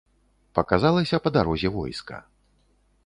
Паказалася па дарозе войска.